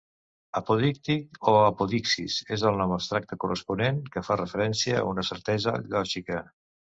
Apodíctic or apodixis és el nom abstracte corresponent, que fa referència a una certesa lògica.